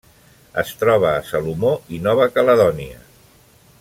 Es troba a Salomó i Nova Caledònia.